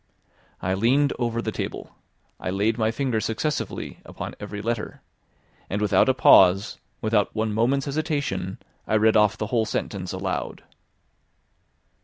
I leaned over the table; I laid my finger successively upon every letter; and without a pause, without one moment's hesitation, I read off the whole sentence aloud.